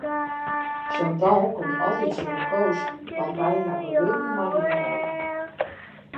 Chantal komt altyd sûnder Koos want wy hawwe wurden mei him hân.